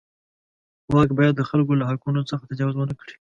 واک باید د خلکو له حقونو څخه تجاوز ونه کړي.